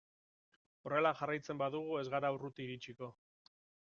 Horrela jarraitzen badugu ez gara urruti iritsiko.